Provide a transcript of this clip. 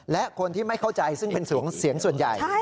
และคนที่ไม่เข้าใจซึ่งเป็นเสียงส่วนใหญ่